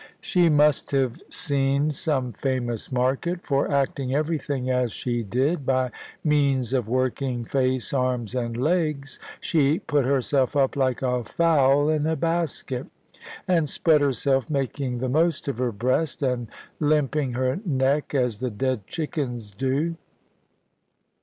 She must have seen some famous market; for acting everything as she did (by means of working face, arms, and legs), she put herself up like a fowl in a basket, and spread herself, making the most of her breast, and limping her neck as the dead chickens do.